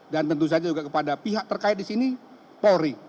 dan tentu saja juga kepada pihak terkait disini polri